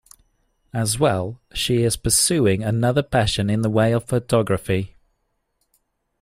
As well, she is pursuing another passion in the way of photography.